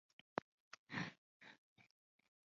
云南高原鳅为鳅科高原鳅属的鱼类。